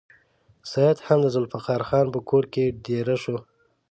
سید هم د ذوالفقار خان په کور کې دېره شو.